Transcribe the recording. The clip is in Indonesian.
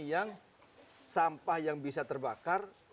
yang sampah yang bisa terbakar